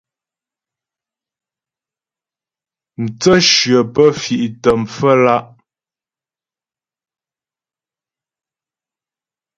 Mtsə̂shyə pə́ fì'tə pfə́lǎ'.